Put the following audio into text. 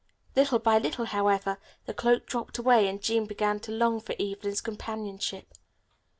Little by little, however, the cloak dropped away and Jean began to long for Evelyn's companionship.